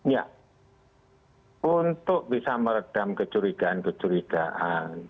ya untuk bisa meredam kecurigaan kecurigaan